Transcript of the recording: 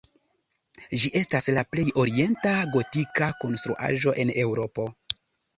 Ĝi estas la plej orienta gotika konstruaĵo en Eŭropo.